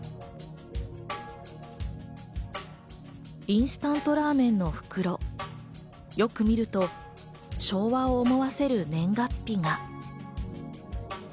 インスタントラーメンの袋、よく見ると、昭和を思わせる年月日が。